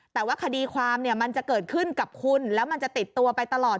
แต่ว่าคดีความเนี่ยมันจะเกิดขึ้นกับคุณแล้วมันจะติดตัวไปตลอด